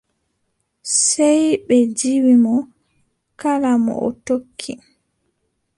Sey ɓe ndiiwi mo. Kala mo o tokki.